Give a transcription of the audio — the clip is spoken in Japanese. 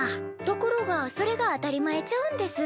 ところがそれが当たり前ちゃうんです。